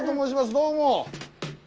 どうも。